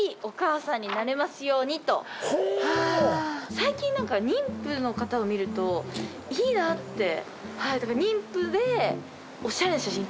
最近妊婦の方を見るといいなって妊婦でおしゃれな写真を撮りたい